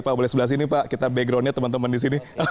pak boleh sebelah sini pak kita backgroundnya teman teman di sini